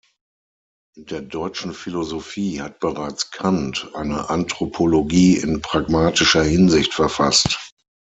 In der deutschen Philosophie hat bereits Kant eine "Anthropologie in pragmatischer Hinsicht" verfasst.